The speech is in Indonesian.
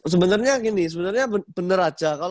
sebenarnya gini sebenarnya benar aja